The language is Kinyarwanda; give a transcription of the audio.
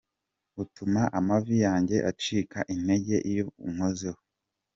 Utuma amavi yanjye acika intege iyo unkozeho.